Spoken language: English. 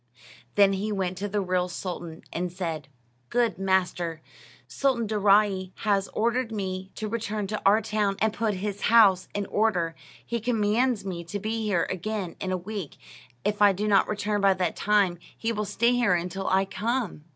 Then he went to the real sultan and said: "Good master, Sultan Daaraaee has ordered me to return to our town and put his house in order; he commands me to be here again in a week; if I do not return by that time, he will stay here until I come."